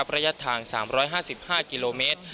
ระยะทาง๓๕๕กิโลเมตร